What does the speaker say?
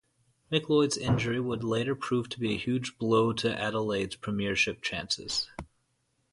McLeod's injury would later prove to be a huge blow to Adelaide's premiership chances.